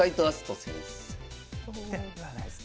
ではないですね。